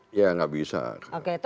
dari nyanga sampai pulau rote